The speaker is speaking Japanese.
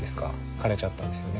枯れちゃったんですよね。